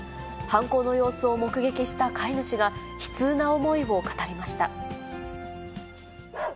犯行の様子を目撃した飼い主が、悲痛な思いを語りました。